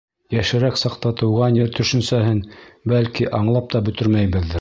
Йәшерәк саҡта тыуған ер төшөнсәһен, бәлки, аңлап та бөтөрмәйбеҙҙер.